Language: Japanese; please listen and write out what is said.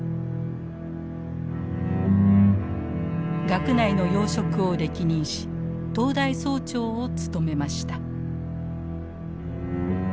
学内の要職を歴任し東大総長を務めました。